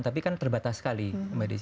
tapi kan terbatas sekali